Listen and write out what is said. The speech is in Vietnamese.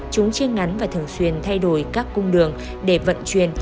chúng chiêng ngắn và thường xuyên thay đổi các cung đường để vận chuyển